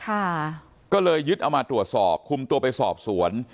ค่ะก็เลยยึดเอามาตรวจสอบคุมตัวไปสอบสวน